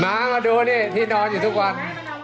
มาดูนี่ที่นอนอยู่ทุกวัน